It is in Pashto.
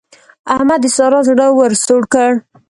احمد د سارا زړه ور سوړ کړ.